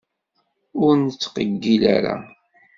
Ur nettqeggil ara.